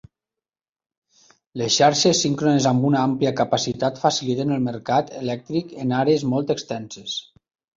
Les xarxes síncrones amb una àmplia capacitat faciliten el mercat elèctric en àrees molt extenses.